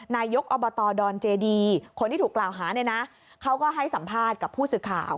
นายกอบตดอนเจดีคนที่ถูกกล่าวหาเนี่ยนะเขาก็ให้สัมภาษณ์กับผู้สื่อข่าว